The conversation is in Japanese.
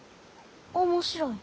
面白い？